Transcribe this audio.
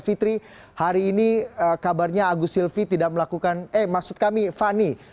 fitri hari ini kabarnya agus silvi tidak melakukan eh maksud kami fani